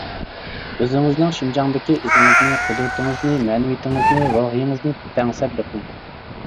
ئۆزىڭىزنىڭ شىنجاڭدىكى ئىزىڭىزنى، قۇدرىتىڭىزنى، مەنىۋىيىتىڭىزنى، روھىڭىزنى دەڭسەپ بېقىڭ.